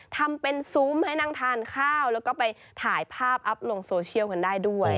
ทำเป็นซุ้มให้นั่งทานข้าวแล้วก็ไปถ่ายภาพอัพลงโซเชียลกันได้ด้วย